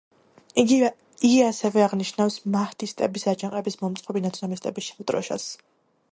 იგი ასევე აღნიშნავს მაჰდისტების აჯანყების მომწყობი ნაციონალისტების შავ დროშას.